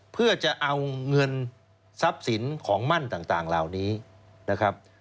เพื่อจะเอาเงินทรัพย์สินของมั่นต่างเหล่านี้นะครับ